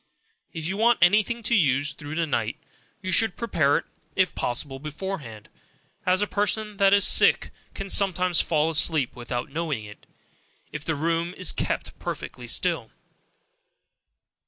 If you want any thing to use through the night, you should prepare it, if possible, beforehand; as a person that is sick, can sometimes fall asleep without knowing it, if the room is _kept perfectly still.